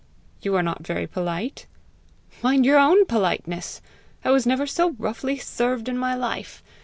"You are not very polite!" "Mind your own politeness. I was never so roughly served in my life!